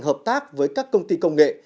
hợp tác với các công ty công nghệ